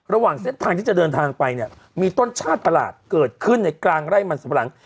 ระหว่างเครื่องทางที่จะเดินทางไปเนี่ยมีต้นชาติปลาลาคเกิดขึ้นในกลางไร้แหม่สภัณฑ์